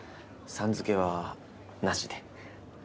「さん」付けはなしで。